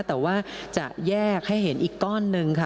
แต่ว่าจะแยกให้เห็นอีกก้อนหนึ่งค่ะ